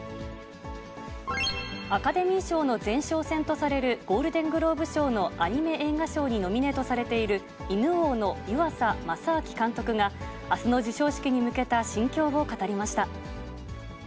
アカデミー賞の前哨戦とされるゴールデングローブ賞のアニメ映画賞にノミネートされている、犬王の湯浅政明監督が、あすの授賞式に向けた心境を語りました。